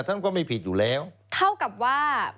ท่านก็ไม่ผิดอยู่แล้วเท่ากับว่า